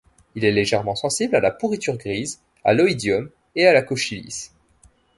Il est légèrement sensible à la pourriture grise, à l'oïdium et à la cochylis.